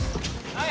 はい。